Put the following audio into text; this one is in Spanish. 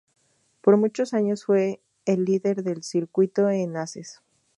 Por muchos años fue el líder del circuito en aces.